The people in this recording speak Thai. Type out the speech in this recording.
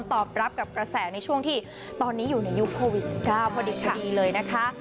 ตอบรับกับกระแสในช่วงที่ตอนนี้อยู่ในยุคโควิด๑๙พอดีเลยนะคะ